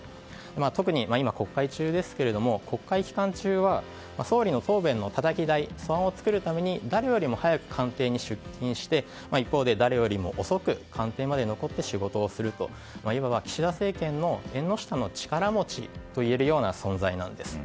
特に今、国会中ですけど国会期間中は総理の答弁のたたき台素案を作るために誰よりも早く官邸に出勤して一方で誰よりも遅く官邸に残って仕事をするといういわば岸田政権の縁の下の力持ちといえるような存在なんです。